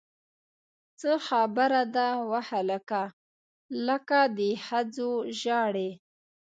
څه خبره ده وهلکه! لکه د ښځو ژاړې!